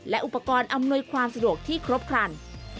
และอุปกรณ์อำนวยความสะดวกที่ครบครัน